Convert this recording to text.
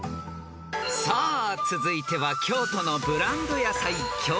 ［さあ続いては京都のブランド野菜京